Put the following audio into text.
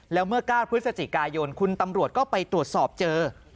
แล้วเมื่อ๙พฤศจิกายนคุณตำรวจก็ไปตรวจสอบเจอ